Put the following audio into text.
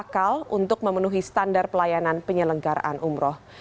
akal untuk memenuhi standar pelayanan penyelenggaraan umroh